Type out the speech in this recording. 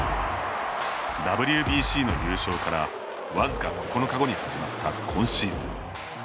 ＷＢＣの優勝から僅か９日後に始まった今シーズン。